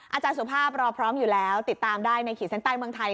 อาจารย์สุภาพรอพร้อมอยู่แล้วติดตามได้ในขีดเส้นใต้เมืองไทย